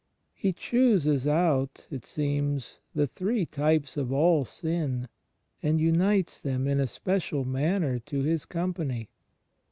He chooses out, it seems, the three types of all sin and imites them in a special manner to His company.